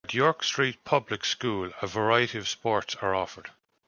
At York Street Public School a variety of sports are offered.